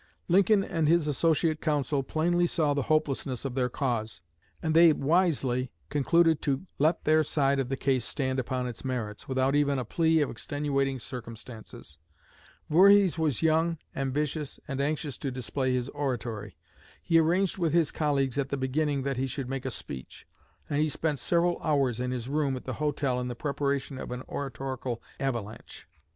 Lincoln and his associate counsel plainly saw the hopelessness of their cause; and they wisely concluded to let their side of the case stand upon its merits, without even a plea of extenuating circumstances. Voorhees was young, ambitious, and anxious to display his oratory. He arranged with his colleagues at the beginning that he should make a speech, and he spent several hours in his room at the hotel in the preparation of an oratorical avalanche.